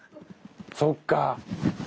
そっか！